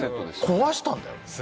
壊したんだよ